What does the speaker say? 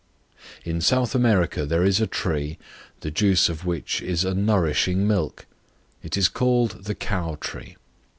In South America there is a tree, the juice of which is a nourishing milk; it is called the Cow Tree.